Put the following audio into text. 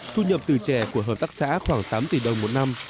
thu nhập từ chè của hợp tác xã khoảng tám tỷ đồng một năm